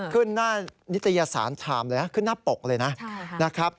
ขึ้นหน้านิตยสารทำขึ้นหน้าปกเลยนะ